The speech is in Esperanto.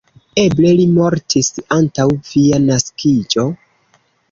Eble li mortis antaŭ via naskiĝo?